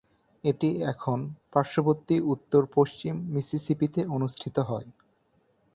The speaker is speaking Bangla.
এটি এখন পার্শ্ববর্তী উত্তর-পশ্চিম মিসিসিপিতে অনুষ্ঠিত হয়।